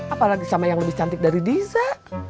apalagi sama yang lebih cantik dari disa